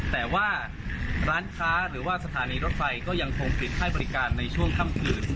แต่ว่าร้านค้าหรือว่าสถานีรถไฟก็ยังคงปิดให้บริการในช่วงค่ำคืน